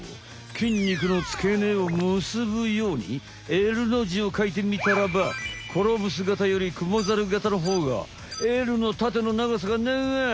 筋肉のつけねをむすぶようにＬのじをかいてみたらばコロブス型よりクモザル型のほうがＬの縦の長さが長い。